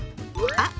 あっ！